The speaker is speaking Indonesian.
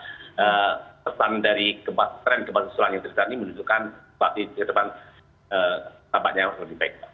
ada pesan dari trend gempa susulan yang terjadi menunjukkan bahwa di depan tampaknya lebih baik